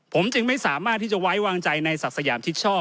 ผมจึงไม่สามารถที่จะไว้วางใจในศักดิ์สยามชิดชอบ